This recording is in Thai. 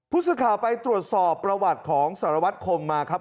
ผู้สื่อข่าวไปตรวจสอบประวัติของสารวัตรคมมาครับ